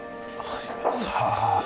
さあ